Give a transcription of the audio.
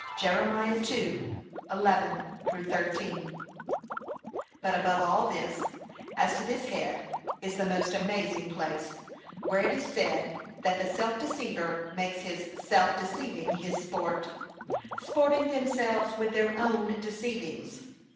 (Jer. 2:11 13) But, above all this, as to this head, is the most amazing place, where it is said, that the self deceiver makes his self deceiving his sport: 'Sporting themselves with their own deceivings.'